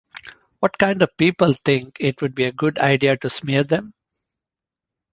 What kind of people think it would be a good idea to smear them?